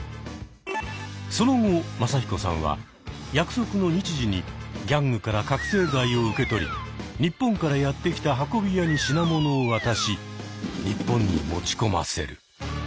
その後マサヒコさんは約束の日時にギャングから覚醒剤を受け取り日本からやって来た運び屋に品物を渡し日本に持ち込ませる。